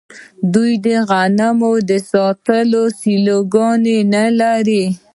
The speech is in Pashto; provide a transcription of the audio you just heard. آیا دوی د غنمو د ساتلو سیلوګانې نلري؟